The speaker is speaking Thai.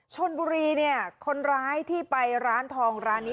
ชนบุรีเนี่ยคนร้ายที่ไปร้านทองร้านนี้